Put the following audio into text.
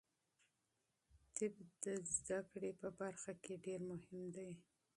طب د علم په برخه کې ډیر مهم دی.